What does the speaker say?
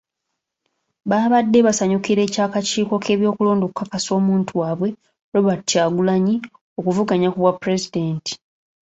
Baabade basanyukira ekya kakiiko k'ebyokulonda okukakasa omuntu waabwe, Robert Kyagulanyi okuvuganya ku bwapulezidenti